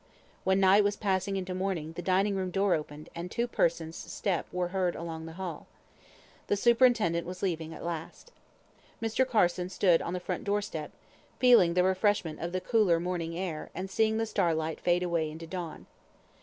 When night was passing into morning, the dining room door opened, and two persons' steps were heard along the hall. The superintendent was leaving at last. Mr. Carson stood on the front door step, feeling the refreshment of the cooler morning air, and seeing the starlight fade away into dawn.